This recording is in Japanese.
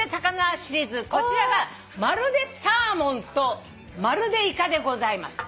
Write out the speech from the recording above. こちらがまるでサーモンとまるでイカでございます。